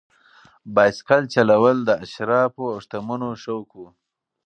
بایسکل چلول د اشرافو او شتمنو شوق و.